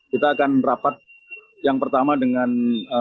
kita akan rapat yang pertama dengan